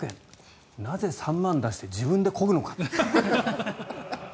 なぜ３万出して自分でこぐのかと。